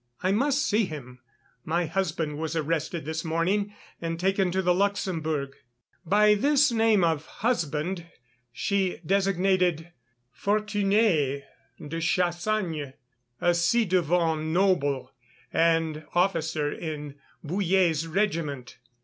"I must see him. My husband was arrested this morning and taken to the Luxembourg." By this name of "husband" she designated Fortuné de Chassagne, a ci devant noble and officer in Bouillé's regiment.